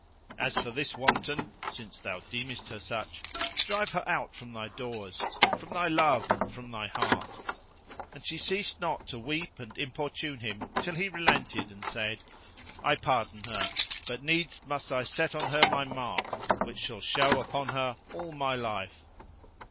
As for this wanton (since thou deemest her such) drive her out from thy doors, from thy love and from thy heart." And she ceased not to weep and importune him till he relented and said, 'I pardon her, but needs must I set on her my mark which shall show upon her all her life."